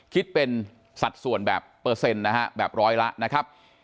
คิดเป็นสัดส่วนแบบเปอร์เซ็นต์นะฮะแบบร้อยละนะครับ